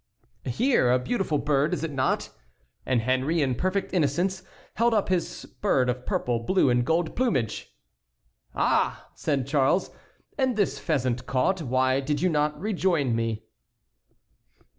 "Here; a beautiful bird, is it not?" And Henry, in perfect innocence, held up his bird of purple, blue, and gold plumage. "Ah!" said Charles, "and this pheasant caught, why did you not rejoin me?"